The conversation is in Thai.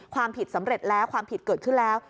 ความผิดสำเร็จแล้วความผิดเกิดขึ้นแล้ว